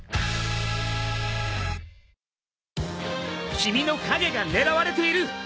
君の影が狙われている。